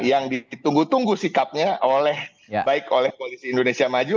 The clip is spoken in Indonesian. yang ditunggu tunggu sikapnya baik oleh koalisi indonesia maju